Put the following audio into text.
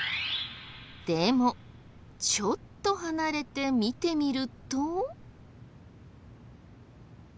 でもちょっと離れて見てみると。